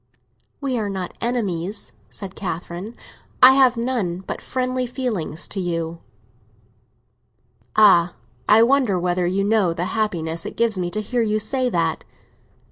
"We are not enemies," said Catherine. "I have none but friendly feelings to you." "Ah, I wonder whether you know the happiness it gives me to hear you say that!"